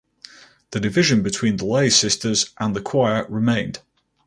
The division between the lay sisters and the choir remained.